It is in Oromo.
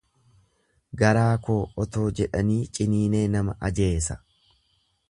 Garaa koo otoo jedhanii ciniinee nama ajeesa.